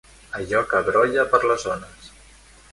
Allò que brolla per les ones.